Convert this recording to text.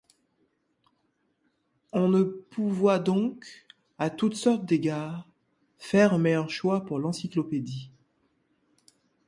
On ne pouvoit donc, à toutes sortes d’égards, faire un meilleur choix pour l’Encyclopédie.